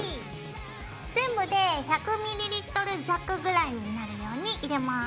全部で１００ｍｌ弱ぐらいになるように入れます。